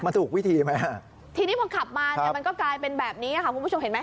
มันถูกวิธีไหมฮะทีนี้พอขับมาเนี่ยมันก็กลายเป็นแบบนี้ค่ะคุณผู้ชมเห็นไหม